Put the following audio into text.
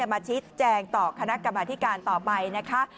มาชี้แจงต่อคณะกรรมธิการต่อไปนะคะ